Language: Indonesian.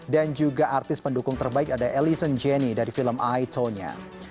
dan juga artis pendukung terbaik ada alison jenny dari film i tonya